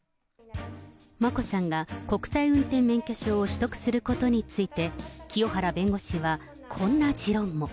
眞子さんが国際運転免許証を取得することについて、清原弁護士はこんな持論も。